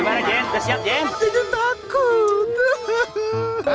nggak pasti berapa